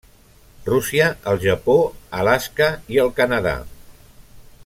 Rússia, el Japó, Alaska i el Canadà.